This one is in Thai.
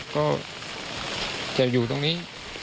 ก็จะอยู่ตรงนี้